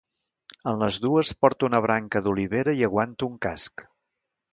En les dues porta una branca d'olivera i aguanta un casc.